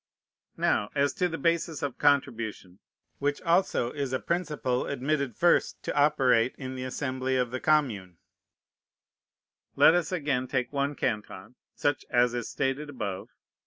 Now as to the basis of contribution, which also is a principle admitted first to operate in the assembly of the commune. Let us again take one canton, such as is stated above.